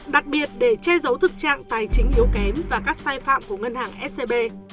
đặc biệt để che giấu thực trạng tài chính yếu kém và các sai phạm của ngân hàng scb